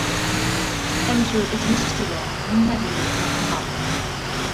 ئەنە شۇ ئېچىنىش ئىچىدە مۇنبەرنى يادىمغا ئالدىم.